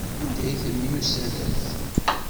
Anda ay temyussanemt?